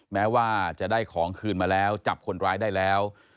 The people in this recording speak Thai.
แม้ว่าจะได้ของคืนมาแล้วจับคนร้ายได้แล้ว